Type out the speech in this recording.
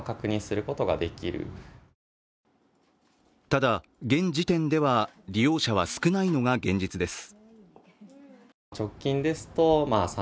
ただ、現時点では利用者は少ないのが現実です。